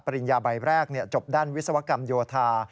ปริญญาใบแรกจบด้านวิศวกรรมโยธา